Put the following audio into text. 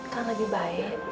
kan lebih baik